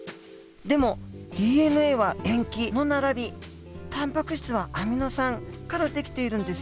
でもＤＮＡは塩基の並びタンパク質はアミノ酸から出来ているんですよね？